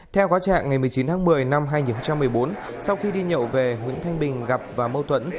theo quá trạng ngày một mươi chín tháng một mươi năm hai nghìn một mươi bốn sau khi đi nhậu về nguyễn thanh bình gặp và mâu thuẫn